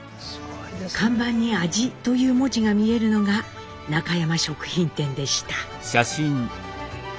看板に「味」という文字が見えるのが中山食品店でした。